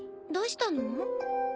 どうしたの？